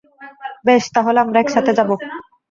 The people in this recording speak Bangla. বেশ তাহলে আমরা একসাথে যাব।